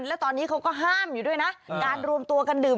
แล้วตอนนี้เขาก็ห้ามอยู่ด้วยนะการรวมตัวกันดื่ม